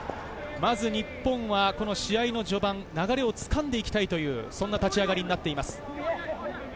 まず日本は試合の序盤、流れをつかんでいきたい立ち上がりになっています。